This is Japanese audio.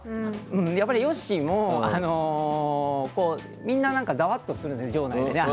やっぱりヨッシーもみんなざわっとするんですね、場内で。